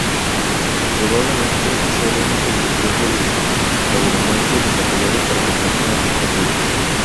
Probablemente sea el único videojuego de tauromaquia desarrollado para las máquinas recreativas.